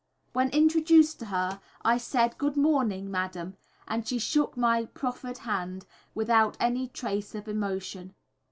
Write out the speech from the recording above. When introduced to her I said, "Good morning, Madam," and she shook my proffered hand without any trace of emotion.